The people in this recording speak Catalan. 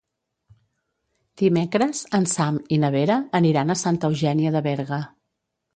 Dimecres en Sam i na Vera aniran a Santa Eugènia de Berga.